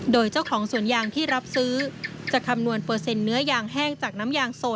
โดยเจ้าของสวนยางที่รับซื้อจะคำนวณเปอร์เซ็นต์เนื้อยางแห้งจากน้ำยางโซน